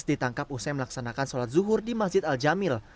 ditangkap usai melaksanakan sholat zuhur di masjid al jamil